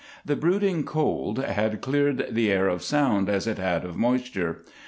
The brooding cold had cleared the air of sound as it had of moisture.